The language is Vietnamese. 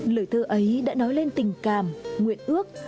lời thơ ấy đã nói lên tình cảm nguyện ước